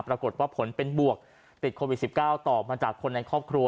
ปรากฏว่าผลเป็นบวกติดโควิด๑๙ต่อมาจากคนในครอบครัว